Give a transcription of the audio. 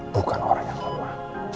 bukan orang yang lemah